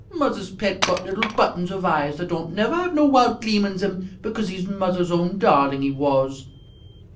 "Muzzer's pet got little buttons of eyes, that don't never have no wild gleam in zem because he's muzzer's own darling, he was!"